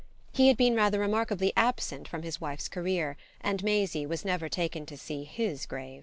He had been rather remarkably absent from his wife's career, and Maisie was never taken to see his grave.